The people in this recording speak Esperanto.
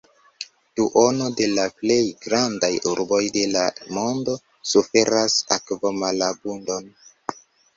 Duono de la plej grandaj urboj de la mondo suferas akvomalabundon.